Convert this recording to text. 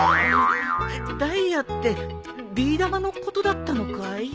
ダイヤってビー玉のことだったのかい？